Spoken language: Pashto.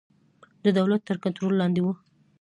د دولت تر کنټرول لاندې وو.